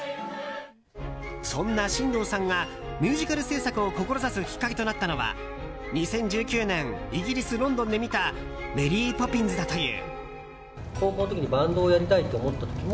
そんな新藤さんがミュージカル制作を志すきっかけとなったのは２０１９年イギリス・ロンドンで見た「メリー・ポピンズ」だという。